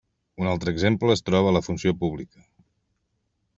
Un altre exemple es troba a la funció pública.